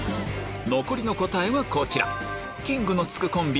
残りの答えはこちらキングの付くコンビ